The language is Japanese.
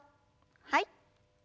はい。